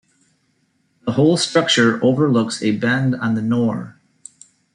The whole structure overlooks a bend on the Nore.